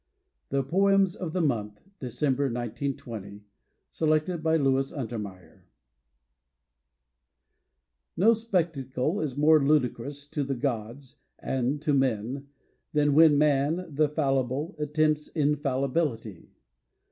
THE POEMS OF THE MONTH (December, 1920) Selected by Louis Untermeyer No spectacle is more ludicrous to the gods — and to men — ^than when man, the fallible, attempts infal libility.